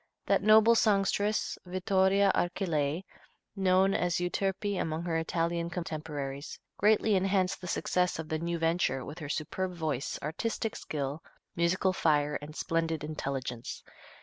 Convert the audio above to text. That noble songstress, Vittoria Archilei, known as "Euterpe" among her Italian contemporaries, greatly enhanced the success of the new venture with her superb voice, artistic skill, musical fire and splendid intelligence.